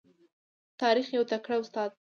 تاریخ یو تکړه استاد دی.